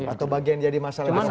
atau bagian jadi masalah